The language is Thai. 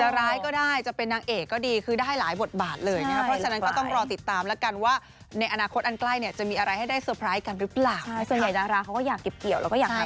จะร้ายก็ได้จะเป็นนางเอกก็ดีคือได้หลายบทบาทเลย